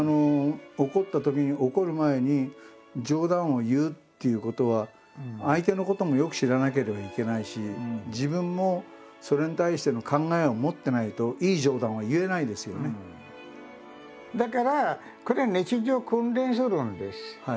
怒ったときに怒る前に冗談を言うっていうことは相手のこともよく知らなければいけないし自分もそれに対しての考えを持ってないといい冗談は言えないですよね。